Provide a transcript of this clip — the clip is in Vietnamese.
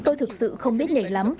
tôi thực sự không biết nhảy lắm